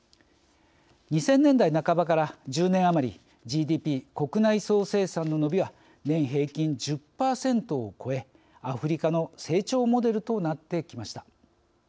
２０００年代半ばから１０年余りＧＤＰ＝国内総生産の伸びは年平均１０％を超えアフリカの成長モデルとなってきました。